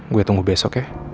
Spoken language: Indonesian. gue tunggu besok ya